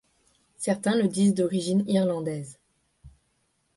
Certains le disent d’origine irlandaise.